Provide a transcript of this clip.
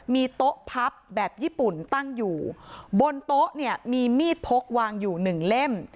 มีโต๊ะพับแบบญี่ปุ่นตั้งอยู่บนโต๊ะเนี่ยมีมีดพกวางอยู่หนึ่งเล่ม